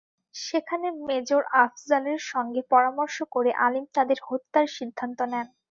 সেখানে মেজর আফজালের সঙ্গে পরামর্শ করে আলীম তাঁদের হত্যার সিদ্ধান্ত নেন।